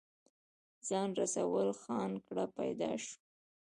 خان رسول خان کره پيدا شو ۔